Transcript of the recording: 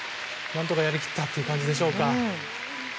何とかやり切ったという感じでしょうか。